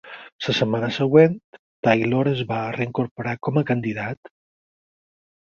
La setmana següent, Taylor es va reincorporar com a candidat.